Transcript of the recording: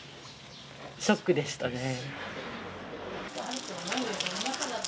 ショックでしたね。